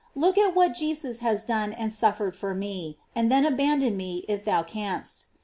Look at what Jesus has done and suffered for me, and then abandon me if thou canst.